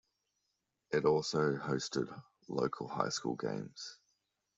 It also hosted local high school games.